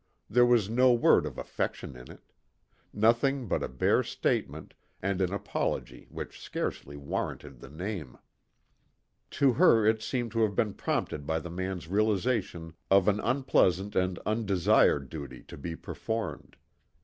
There was no word of affection in it. Nothing but a bare statement and an apology which scarcely warranted the name. To her it seemed to have been prompted by the man's realization of an unpleasant and undesired duty to be performed.